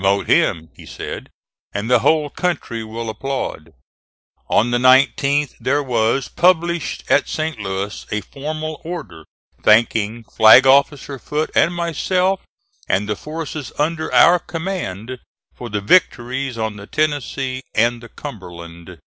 Smith; "promote him," he said, "and the whole country will applaud." On the 19th there was published at St. Louis a formal order thanking Flag officer Foote and myself, and the forces under our command, for the victories on the Tennessee and the Cumberland.